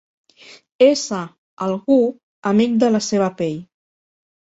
Ésser, algú, amic de la seva pell.